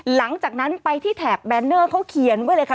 หลังจากนั้นไปที่แถบแบนเนอร์เขาเขียนไว้เลยค่ะ